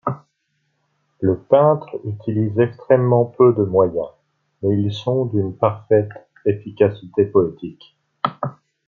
Le peintre utilise extrêmement peu de moyens, mais ils sont d'une parfaite efficacité poétique.